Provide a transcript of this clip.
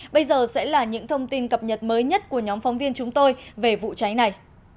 bây giờ sẽ là những thông tin cập nhật mới nhất của nhóm phóng viên chúng tôi về vụ cháy này